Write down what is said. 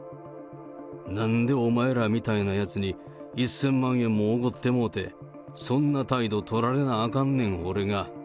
なんでお前らみたいなやつに、１０００万円もおごってもうて、そんな態度取られなあかんねん、俺が。